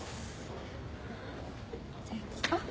あっ！